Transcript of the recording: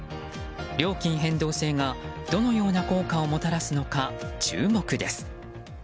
料金変動制がどのような効果をもたらすのか注目です。